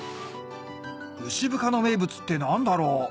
牛深の名物って何だろう？